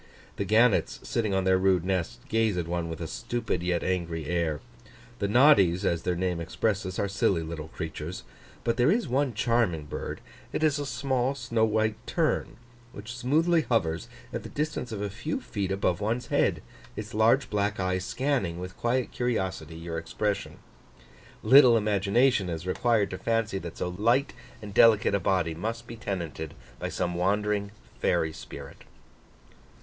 The gannets, sitting on their rude nests, gaze at one with a stupid yet angry air. The noddies, as their name expresses, are silly little creatures. But there is one charming bird: it is a small, snow white tern, which smoothly hovers at the distance of a few feet above one's head, its large black eye scanning, with quiet curiosity, your expression. Little imagination is required to fancy that so light and delicate a body must be tenanted by some wandering fairy spirit.